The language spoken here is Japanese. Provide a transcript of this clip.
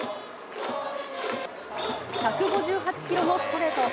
１５８キロのストレート。